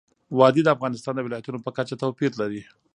وادي د افغانستان د ولایاتو په کچه توپیر لري.